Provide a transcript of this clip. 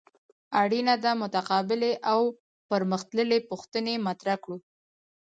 اړینه ده متقابلې او پرمخ تللې پوښتنې مطرح کړو.